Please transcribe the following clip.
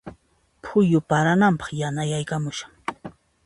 Phuyu parananpaq yanayaykamushan.